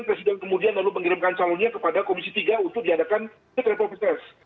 presiden kemudian lalu mengirimkan calonnya kepada komisi tiga untuk diadakan set republikan